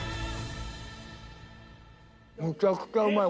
めちゃくちゃうまい！